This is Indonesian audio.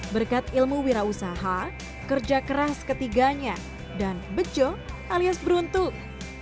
berkat ilmu wira usaha kerja keras ketiganya dan bejo alias beruntung